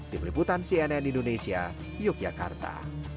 di peliputan cnn indonesia yogyakarta